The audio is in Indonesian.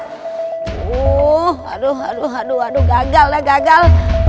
aduh aduh aduh aduh gagal ya gagal